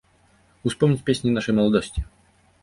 Успомніць песні нашай маладосці.